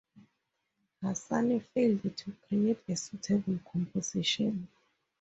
Hasani failed to create a suitable composition.